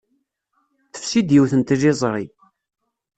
Tefsi-d yiwet n tliẓri.